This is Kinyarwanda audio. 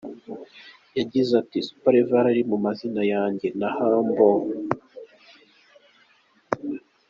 Yagize ati “Super Level yari mu mazina yanjye na Humble.